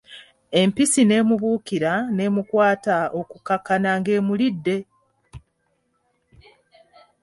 Empisi n'emubuukira n'emukwata okukkakana nga emulidde!